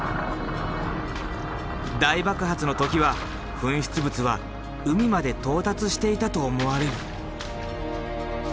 大爆発の時は噴出物は海まで到達していたと思われる。